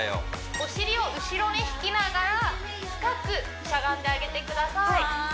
お尻を後ろに引きながら深くしゃがんであげてください